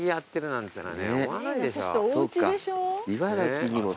茨城にも。